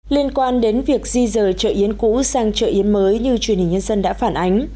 liên quan đến việc di rời chợ yến cũ sang chợ yến mới như truyền hình nhân dân đã phản ánh